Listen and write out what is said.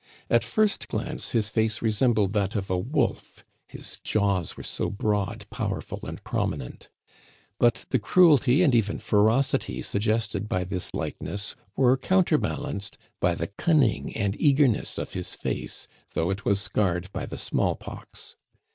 At first glance his face resembled that of a wolf, his jaws were so broad, powerful, and prominent; but the cruelty and even ferocity suggested by this likeness were counterbalanced by the cunning and eagerness of his face, though it was scarred by the smallpox.